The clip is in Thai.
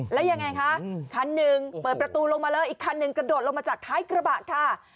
แล้วยังไงคะคันหนึ่งเปิดประตูลงมาเลยอีกคันหนึ่งกระโดดลงมาจากท้ายกระบะค่ะ